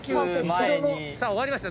さあわかりました？